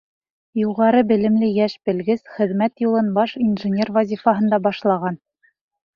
Юғары белемле йәш белгес хеҙмәт юлын баш инженер вазифаһында башлаған.